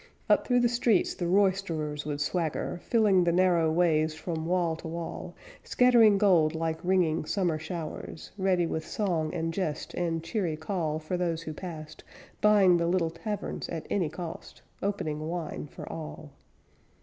Up through the streets the roisterers would swagger, Filling the narrow ways from wall to wall, Scattering gold like ringing summer showers, Ready with song and jest and cheery call For those who passed; buying the little taverns At any cost; opening wine for all.